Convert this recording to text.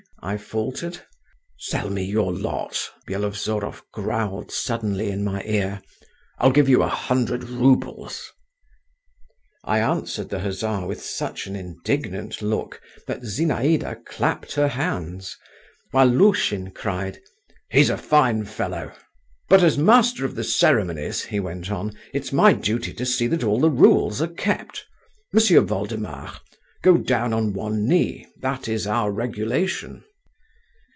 … I faltered. "Sell me your lot," Byelovzorov growled suddenly just in my ear. "I'll give you a hundred roubles." I answered the hussar with such an indignant look, that Zinaïda clapped her hands, while Lushin cried, "He's a fine fellow!" "But, as master of the ceremonies," he went on, "it's my duty to see that all the rules are kept. M'sieu Voldemar, go down on one knee. That is our regulation."